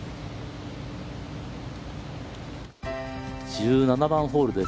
１７番ホールです